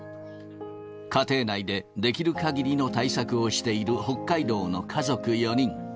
家庭内でできるかぎりの対策をしている北海道の家族４人。